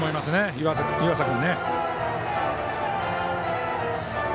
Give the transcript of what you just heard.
岩佐君。